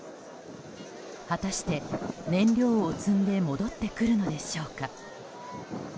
果たして、燃料を積んで戻ってくるのでしょうか。